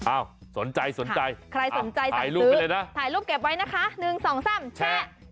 สนใจสนใจใครสนใจถ่ายรูปไปเลยนะถ่ายรูปเก็บไว้นะคะ๑๒๓แชะ